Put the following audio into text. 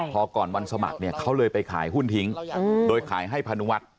พอก่อนวันสมัครเนี่ยเขาเลยไปขายหุ้นทิ้งโดยขายให้พานุวัฒน์